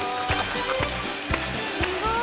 すごい。